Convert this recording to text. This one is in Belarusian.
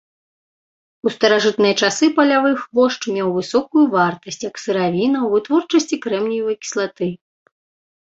У старажытныя часы палявы хвошч меў высокую вартасць як сыравіна ў вытворчасці крэмніевай кіслаты.